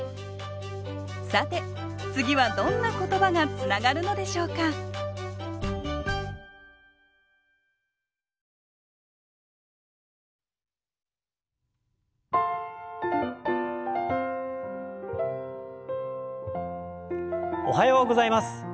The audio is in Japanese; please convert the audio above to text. さて次はどんな言葉がつながるのでしょうかおはようございます。